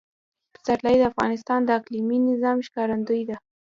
پسرلی د افغانستان د اقلیمي نظام ښکارندوی ده.